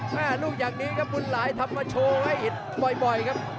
แม่ลูกอย่างนี้ครับบุญหลายทำมาโชว์ให้เห็นบ่อยครับ